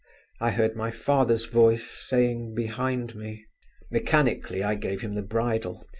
I heard my father's voice saying behind me. Mechanically I gave him the bridle.